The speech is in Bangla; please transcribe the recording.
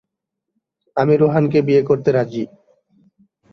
আমি রোহানকে বিয়ে করতে রাজী।